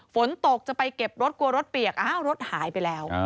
ฝนตกจะไปเก็บรถกลัวรถเปียกอ้าวรถหายไปแล้ว